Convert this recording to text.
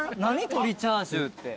鶏チャーシューって。